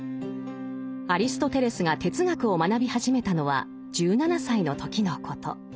アリストテレスが哲学を学び始めたのは１７歳の時のこと。